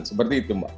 seperti itu mbak